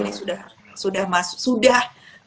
jadi ini sudah